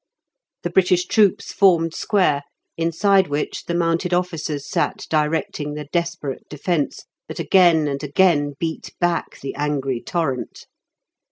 The British troops formed square, inside which the mounted officers sat directing the desperate defence, that again and again beat back the angry torrent.